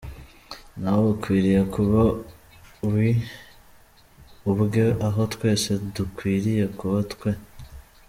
Ntawe ukwiriye kuba ‘we’ ubwe aho twese dukwiriye kuba ‘twe’.